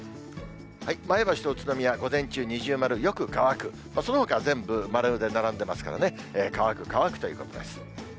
前橋と宇都宮、午前中二重丸、よく乾く、そのほかは全部丸で並んでますからね、乾く、乾くということです。